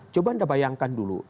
coba anda bayangkan dulu